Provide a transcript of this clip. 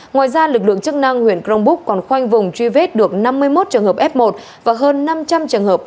ngoài ra lực lượng chức năng huyện cronbrook còn khoanh vùng truy vết được năm mươi một trường hợp f một và hơn năm trăm linh trường hợp f hai f ba